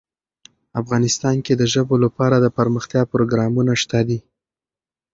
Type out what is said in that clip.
افغانستان کې د ژبو لپاره دپرمختیا پروګرامونه شته دي.